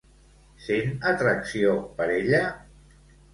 Sent atracció per ella?